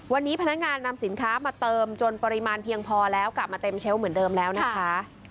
วันนี้พนักงานนำสินค้ามาเติมจนปริมาณเพียงพอแล้วกลับมาเต็มเชลล์เหมือนเดิมแล้วนะคะ